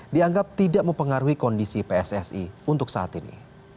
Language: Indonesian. dianggap tidak mempengaruhi kondisi pssi untuk saat ini